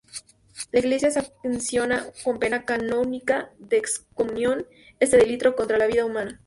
La Iglesia sanciona con pena canónica de excomunión este delito contra la vida humana.